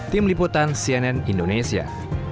tim liputan cnn indonesia